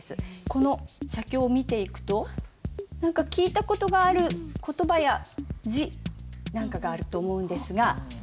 この写経を見ていくと何か聞いた事がある言葉や字なんかがあると思うんですが。